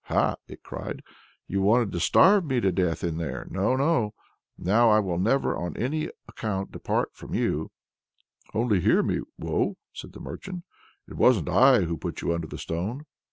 "Ha!" it cried, "you wanted to starve me to death in here! No, no! Now will I never on any account depart from you." "Only hear me, Woe!" said the merchant: "it wasn't I at all who put you under the stone."